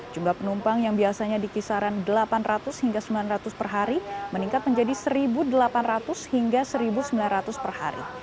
jumlah penumpang yang biasanya di kisaran delapan ratus hingga sembilan ratus per hari meningkat menjadi satu delapan ratus hingga satu sembilan ratus per hari